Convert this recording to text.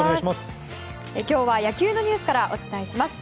今日は野球のニュースからお伝えします。